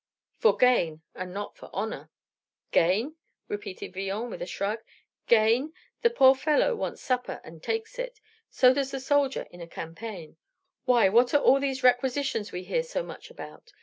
"For gain, and not for honor." "Gain?" repeated Villon with a shrug. "Gain! The poor fellow wants supper, and takes it. So does the soldier in a campaign. Why, what are all these requisitions we hear so much about?